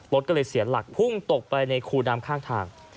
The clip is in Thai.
รถก็เลยเสียหลักพุ่งตกไปในคูน้ำข้างทาง